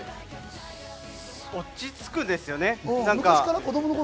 落ち着くんですよね。